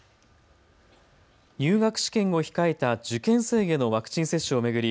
入学試験を控えた受験生へのワクチン接種を巡り